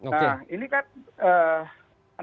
nah ini kan